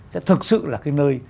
sẽ thực sự là cái nơi